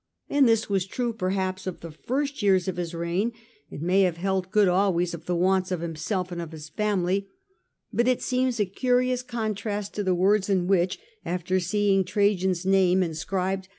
And this was true perhaps of the first years of his reign ; it may have held good always of the wants of himself and of his family ; but it seems a curious contrast to the words in which, after seeing Trajan's name inscribed 9 i8 The Age of the Antonines. A.Di.